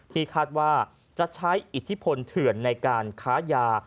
ที่คาดว่าจะใช้อิทธิพลเถื่อนในการค้ายา